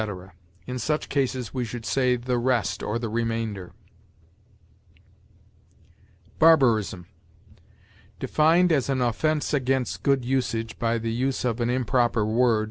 In such cases we should say the rest or the remainder. BARBARISM. Defined as an offense against good usage, by the use of an improper word, i.